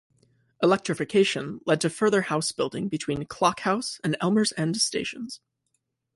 Electrification led to further house building between Clock House and Elmers End stations.